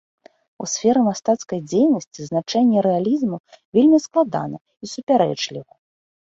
У сферы мастацкай дзейнасці значэнне рэалізму вельмі складана і супярэчліва.